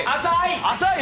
浅い！